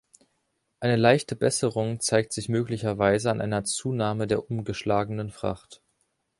Eine leichte Besserung zeigt sich möglicherweise an einer Zunahme der umgeschlagenen Fracht.